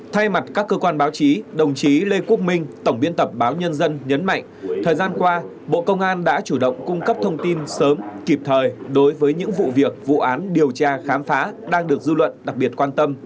thay mặt các cơ quan báo chí đồng chí lê quốc minh tổng biên tập báo nhân dân nhấn mạnh thời gian qua bộ công an đã chủ động cung cấp thông tin sớm kịp thời đối với những vụ việc vụ án điều tra khám phá đang được dư luận đặc biệt quan tâm